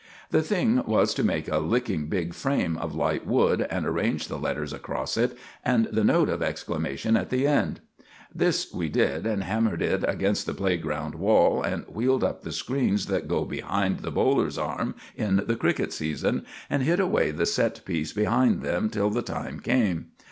The thing was to make a licking big frame of light wood, and arrange the letters across it, and the note of exclamation at the end. This we did, and hammered it against the playground wall, and wheeled up the screens that go behind the bowler's arm in the cricket season, and hid away the set piece behind them till the time came.